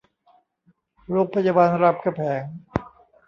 โรงพยาบาลรามคำแหง